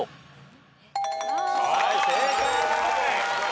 はい正解。